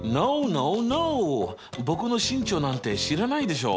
僕の身長なんて知らないでしょ？